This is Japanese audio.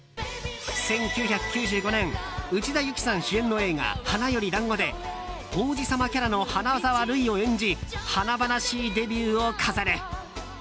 １９９５年、内田有紀さん主演の映画「花より男子」で王子様キャラの花沢類を演じ華々しいデビューを飾る。